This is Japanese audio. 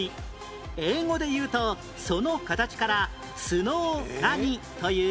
英語でいうとその形から「ｓｎｏｗ 何」という？